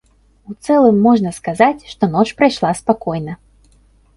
У цэлым можна сказаць, што ноч прайшла спакойна.